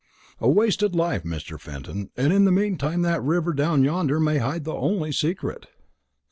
"A wasted life, Mr. Fenton; and in the meantime that river down yonder may hide the only secret."